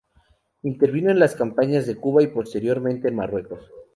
Intervino en las campañas de Cuba y posteriormente en Marruecos.